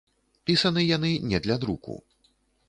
Пісаны яны не для друку.